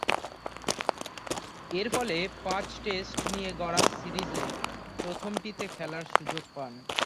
এরফলে, পাঁচ-টেস্ট নিয়ে গড়া সিরিজের প্রথমটিতে খেলার সুযোগ পান।